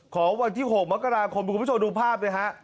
ของวันที่๖มกราคมคุณผู้ชมดูภาพเลยฮะ